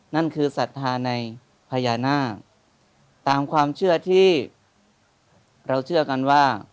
นั่นคือศรัทธาในพญานาคตามความเชื่อที่เราเชื่อกันว่า